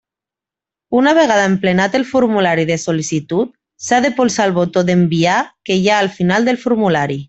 Una vegada emplenat el formulari de sol·licitud, s'ha de polsar el botó d'enviar que hi ha al final del formulari.